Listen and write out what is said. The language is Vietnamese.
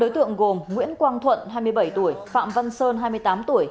bốn đối tượng gồm nguyễn quang thuận hai mươi bảy tuổi phạm văn sơn hai mươi tám tuổi